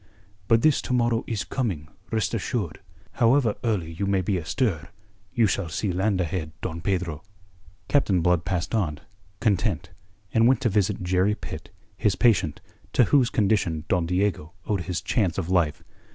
"But this to morrow is coming, rest assured. However early you may be astir, you shall see land ahead, Don Pedro." Captain Blood passed on, content, and went to visit Jerry Pitt, his patient, to whose condition Don Diego owed his chance of life.